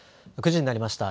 ９時になりました。